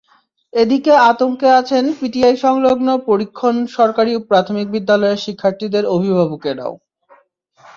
এদিকে আতঙ্কে আছেন পিটিআই সংলগ্ন পরীক্ষণ সরকারি প্রাথমিক বিদ্যালয়ের শিক্ষার্থীদের অভিভাবকেরাও।